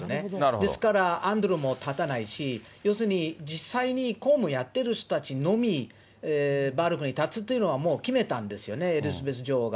ですから、アンドリューも立たないし、要するに、実際に公務やってる人たちのみバルコニーに立つというのはもう決めたんですよね、エリザベス女王が。